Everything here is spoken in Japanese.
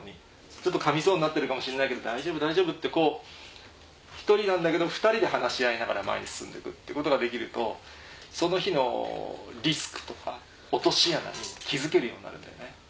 ちょっと噛みそうになってるかもしれないけど大丈夫大丈夫って一人なんだけど２人で話し合いながら前に進んで行くってことができるとその日のリスクとか落とし穴に気付けるようになるんだよね。